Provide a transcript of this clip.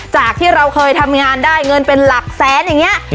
จากที่เราเคยทำงานได้เงินเป็นหลักแสนอย่างนี้